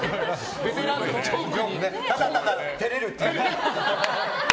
ただただ、照れるっていう。